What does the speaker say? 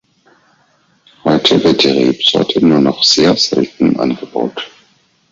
Heute wird die Rebsorte nur noch sehr selten angebaut.